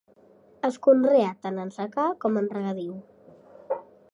Es conrea tant en secà com en regadiu.